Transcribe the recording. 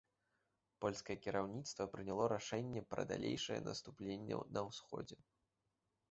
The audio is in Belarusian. Польскае кіраўніцтва прыняло рашэнне пра далейшае наступленне на ўсходзе.